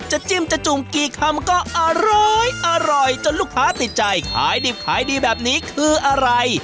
จิ้มจะจุ่มกี่คำก็อร้อยอร่อยจนลูกค้าติดใจขายดิบขายดีแบบนี้คืออะไร